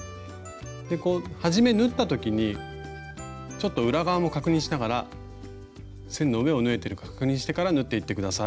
でこうはじめ縫った時にちょっと裏側も確認しながら線の上を縫えてるか確認してから縫っていって下さい。